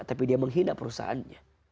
tapi dia menghina perusahaannya